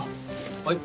はい。